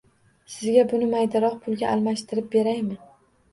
Sizga buni maydaroq pulga almashtirib beraymi?